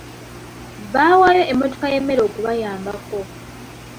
Baawaayo emmotoka y’emmere okubayambako.